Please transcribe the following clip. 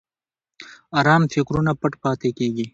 ارام فکرونه پټ پاتې کېږي.